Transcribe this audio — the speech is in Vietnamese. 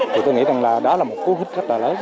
chúng tôi nghĩ rằng là đó là một cố hích rất là lớn